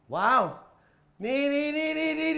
ว้าวนี่นี่นี่